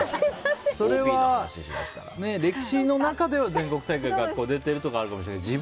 それは歴史の中では全国大会に出てることもあるかもしれないけど。